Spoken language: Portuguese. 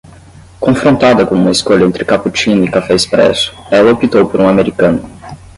Confrontada com uma escolha entre cappuccino e café expresso, ela optou por um americano.